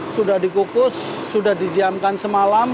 sudah dikukus sudah didiamkan semalam